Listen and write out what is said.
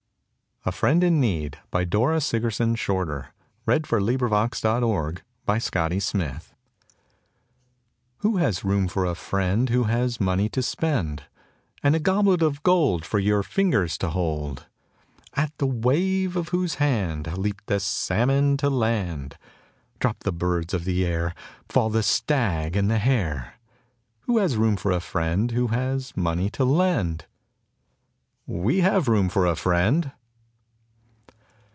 — The painted lips they smiled at me— "O guard my love, where'er he be." A FRIEND IN NEED Who has room for a friend Who has money to spend, And a goblet of gold For your fingers to hold, At the wave of whose hand Leap the salmon to land, Drop the birds of the air, Fall the stag and the hare. Who has room for a friend Who has money to lend? We have room for a friend!